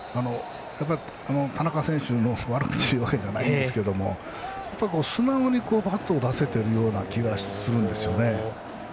田中選手の悪口を言うわけじゃないんですが素直にバットを出せてる感じがするんですよね。